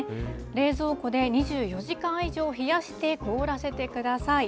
冷蔵庫で２４時間以上冷やして、凍らせてください。